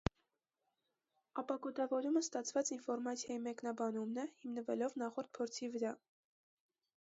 Ապակոդավորումը ստացված ինֆորմացիայի մեկնաբանումն է՝ հիմնվելով նախորդ փորձի վրա։